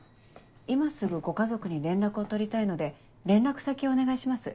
今すぐご家族に連絡を取りたいので連絡先お願いします。